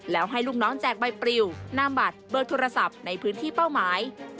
แล้วให้ลูกน้องแจกใบปริวนามบัตรเบอร์โทรศัพท์ในพื้นที่เป้าหมาย